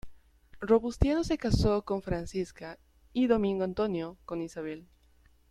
Robustiano se casó con Francisca y Domingo Antonio con Isabel.